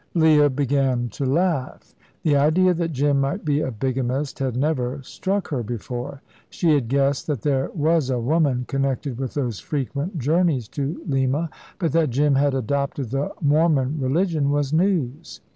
Leah began to laugh. The idea that Jim might be a bigamist had never struck her before. She had guessed that there was a woman connected with those frequent journeys to Lima, but that Jim had adopted the Mormon religion was news.